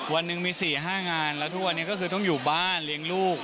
วันหนึ่งมี๔๕งานแล้วทุกวันนี้ก็คือต้องอยู่บ้านเลี้ยงลูก